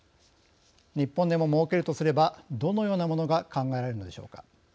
日本でも設けるとすればどのようなものが考えられるのでしょうか。